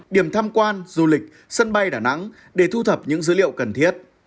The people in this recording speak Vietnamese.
điểm tham quan du lịch sân bay đà nẵng để thu thập những dữ liệu cần thiết